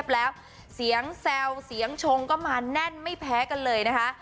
แล้วเสียงแซวเสียงชงก็มาแน่นไม่แพ้กันเลยนะคะ